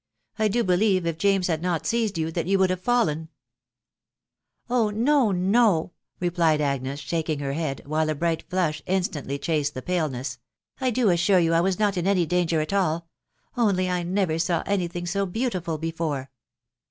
I do believe, if James had not seized you, that you would have fallen !"" Oh ! no, no," replied Agnes, shaking her head, while a bright flush instantly chased the paleness, " I do assure you I was not in any danger at all ...• only I never saw any thing so beautiful before."